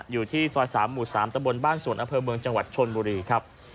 อยู่ที่ซอย๓หมู่๓ตะบนบ้านสวนอำเภอเมืองจังหวัดชนบุรีครับ